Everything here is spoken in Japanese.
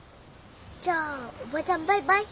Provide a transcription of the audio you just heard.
じゃおばちゃんバイバイ。